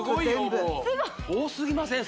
全部多すぎません？